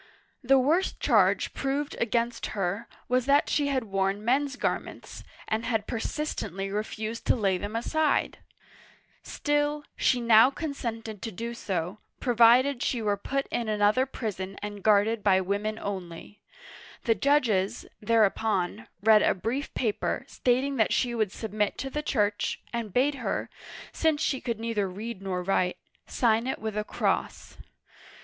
The worst charge proved against her was that she had worn men's garments, and had persistently refused to lay them aside ! Still, she now consented to do so, provided she were put in another prison and guarded by women only. The judges, tTiereupon, read a brief paper, stating that she would submit to the Church, and bade her — since she could neither read nor write — sign it with a cross.